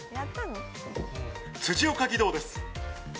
辻岡義堂です。